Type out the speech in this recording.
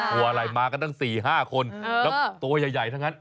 เขาอะไรมาก็ตั้ง๔๕คนตัวใหญ่ทั้งนั้น